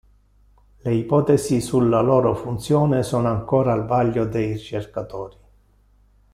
Le ipotesi sulla loro funzione sono ancora al vaglio dei ricercatori.